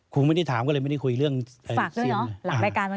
ครูไม่ได้ถามก็เลยไม่ได้คุยเรื่องเสียง